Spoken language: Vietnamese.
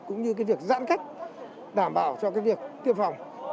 cũng như việc giãn cách đảm bảo cho việc tiêm phòng